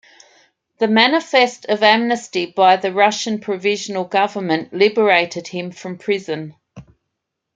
The manifest of amnesty by the Russian Provisional Government liberated him from prison.